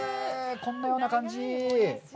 こんなような感じ。